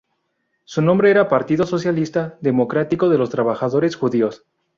Su nombre era Partido Socialista Democrático de los Trabajadores Judíos.